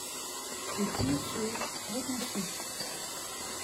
Ses tours sont reconstruites.